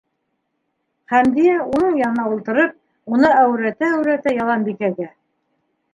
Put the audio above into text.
Хәмдиә, уның янына ултырып, уны әүрәтә-әүрәтә, Яланбикәгә: